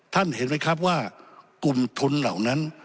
ท่านเห็นมั้ยครับว่ากุมทุนเหล่านั้น